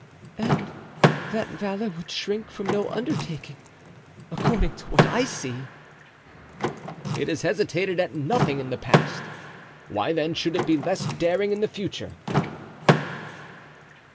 "And that valor would shrink from no undertaking, according to what I see." "It has hesitated at nothing in the past; why, then, should it be less daring in the future?"